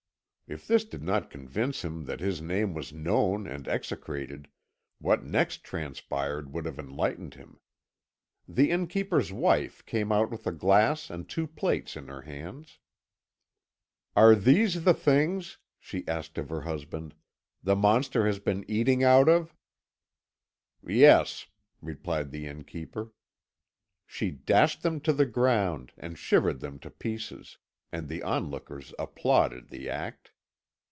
If this did not convince him that his name was known and execrated, what next transpired would have enlightened him. The innkeeper's wife came out with a glass and two plates in her hands. "Are these the things," she asked of her husband, "the monster has been eating out of?" "Yes," replied the innkeeper. She dashed them to the ground and shivered them to pieces, and the onlookers applauded the act.